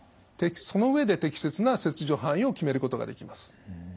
その上で適切な切除範囲を決めることができます。